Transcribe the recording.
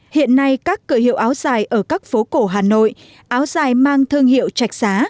hiện nay các cửa hiệu áo dài ở các phố cổ hà nội áo dài mang thương hiệu trạch xá